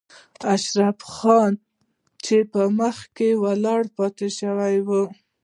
اشرف خان چې په منځ کې ولاړ پاتې شوی و.